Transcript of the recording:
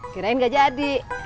kirain nggak jadi